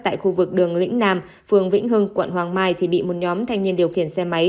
tại khu vực đường lĩnh nam phường vĩnh hưng quận hoàng mai thì bị một nhóm thanh niên điều khiển xe máy